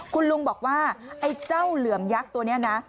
คุณลุงบอกว่าไอ้เจ้าเหลือมยักษ์ตัวนี้นะ